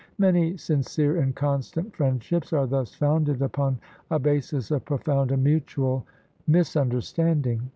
Many sincere and constant friendships are thus founded upon a basis of profound and mutual misunderstanding.